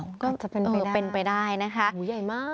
ก็เป็นไปได้นะคะโอ้โฮใหญ่มากก็เป็นไปได้นะคะ